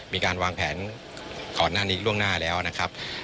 มีการวางแผนก่อนหน้านี้ล่วงหน้าแล้วนะครับ